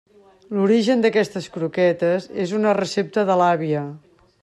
L'origen d'aquestes croquetes és una recepta de l'àvia.